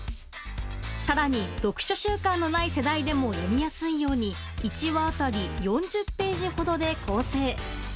更に読書習慣のない世代でも読みやすいように１話当たり４０ページほどで構成。